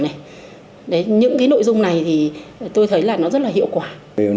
những nội dung này tôi thấy rất hiệu quả